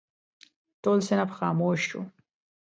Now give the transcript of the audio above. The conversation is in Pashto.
ټول صنف خاموش شو.